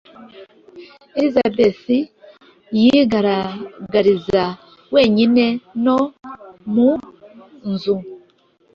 Elizabeth yigaragariza wenyine no mu nzu,